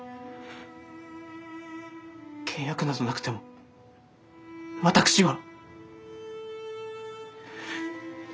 契約などなくても私は。